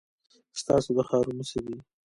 ستاسو د ښار نو څه دی ؟